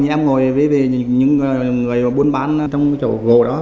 em ngồi với những người muốn bán trong chỗ gỗ đó